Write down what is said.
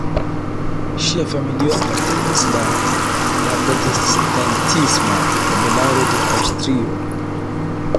Ŝia familio apartenis la la protestantisma nobelaro de Aŭstrio.